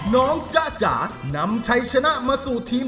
น้องจ๊ะจ๋านำใช้ชนะมาสู่ทีม